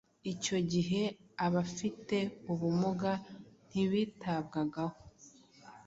Icyo gihe abafite ubumuga ntibitabwagaho.